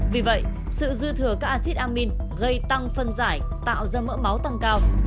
vì vậy sự dư thừa các acid amin gây tăng phân giải tạo ra mỡ máu tăng cao